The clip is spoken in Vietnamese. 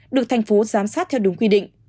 được thành phố giám sát theo đúng quy định